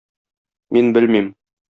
Мин белмим.